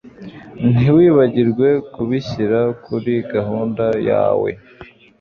Ntiwibagirwe kubishyira kuri gahunda yawe.